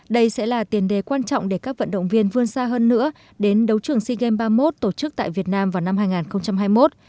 đây sẽ là tiền đề quan trọng để các vận động viên vươn xa hơn nữa đến đấu trường sea games ba mươi một tổ chức tại việt nam vào năm hai nghìn hai mươi một